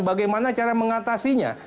bagaimana cara mengatasinya